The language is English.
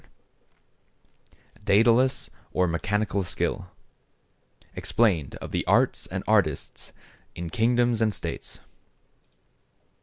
—DÆDALUS, OR MECHANICAL SKILL. EXPLAINED OF ARTS AND ARTISTS IN KINGDOMS AND STATES.